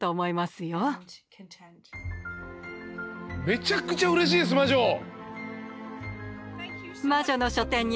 めちゃくちゃうれしいです魔女！